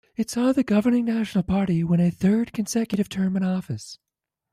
It saw the governing National Party win a third consecutive term in office.